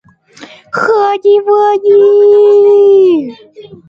In the Orange Walk District Spanish, Creol and English are moslty spoken.